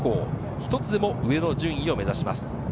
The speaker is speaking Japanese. １つでも上の順位を目指します。